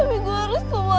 tapi gua harus kemana